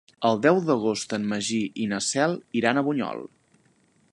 El deu d'agost en Magí i na Cel iran a Bunyol.